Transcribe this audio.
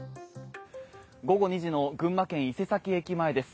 午後２時の群馬県・伊勢崎駅前です。